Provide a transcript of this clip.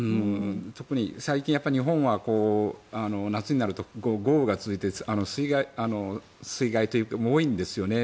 特に最近、日本は夏になると豪雨が続いて水害も多いんですよね。